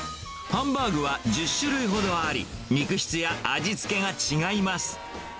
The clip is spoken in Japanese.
ハンバーグは１０種類ほどあり、肉質や味付けが違います。